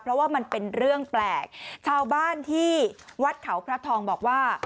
เพราะว่ามันเป็นเรื่องแปลกชาวบ้านที่วัดเขาพระทองบอกว่า